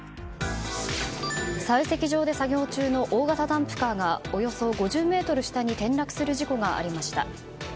採石場で作業中の大型ダンプカーがおよそ５０ｍ下に転落する事故がありました。